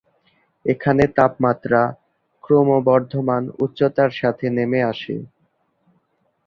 এখানে তাপমাত্রা ক্রমবর্ধমান উচ্চতার সাথে নেমে আসে।